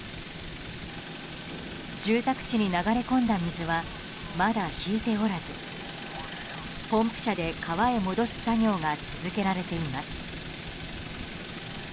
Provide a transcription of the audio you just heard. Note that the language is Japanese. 住宅地に流れ込んだ水はまだ引いておらずポンプ車で川へ戻す作業が続けられています。